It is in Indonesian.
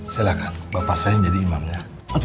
silahkan bapak saya menjadi imamnya